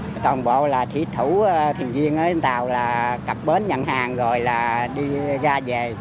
chủ thuyền viên ở trên tàu là cặp bến nhận hàng rồi là đi ra về